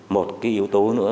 một cái yếu tố nữa